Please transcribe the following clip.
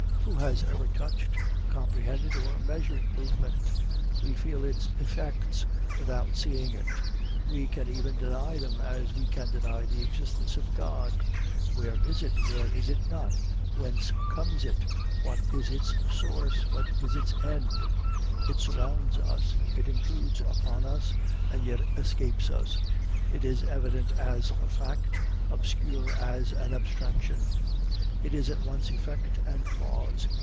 Who has ever touched, comprehended, or measured movement? We feel its effects without seeing it; we can even deny them as we can deny the existence of a God. Where is it? Where is it not? Whence comes it? What is its source? What is its end? It surrounds us, it intrudes upon us, and yet escapes us. It is evident as a fact, obscure as an abstraction; it is at once effect and cause.